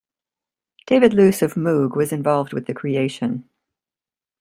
David Luce of Moog was involved with the creation.